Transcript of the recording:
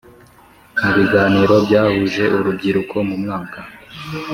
Mu biganiro byahuje urubyiruko mu mwaka